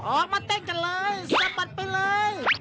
ออกมาเต้นกันเลยสะบัดไปเลย